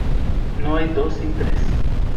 No hay dos sin tres.